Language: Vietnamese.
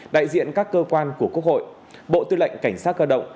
đại diện các cơ quan của quốc hội bộ tư lệnh cảnh sát cơ động